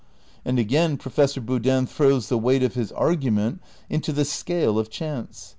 And again Professor Boodin throws the weight of his argument into the scale of chance.